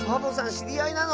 しりあいなの？